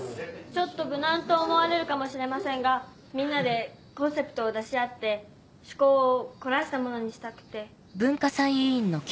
ちょっと無難と思われるかもしれませんがみんなでコンセプトを出し合って趣向を凝らしたものにしたくて。